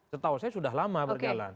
setahu saya sudah lama berjalan